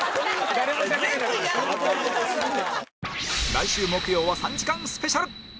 来週木曜は３時間スペシャル